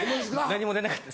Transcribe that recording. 何も出なかった。